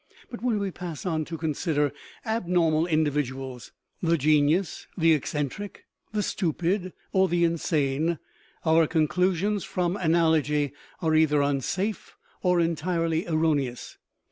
But when we pass on to consider ab normal individuals (the genius, the eccentric, the stu pid, or the insane) our conclusions from analogy are either unsafe or entirely erroneous.